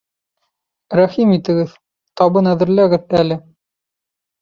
Рәхим итегеҙ, табын әҙерләгеҙ әле.